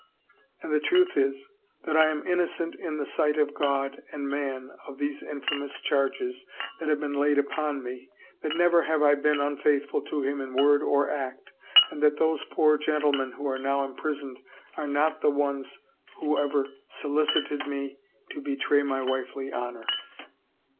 And the truth is — that I am innocent in the sight of God and man of these infamous charges that have been laid upon me, that never have I been unfaithful to him in word or act, and that those poor gentlemen who are now im prisoned are not the ones who ever solicited me so to be tray my wifely honor."